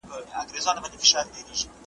سالم ذهن ناکامي نه جوړوي.